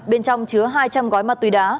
bên trong chứa hai trăm linh gói mặt tùy đá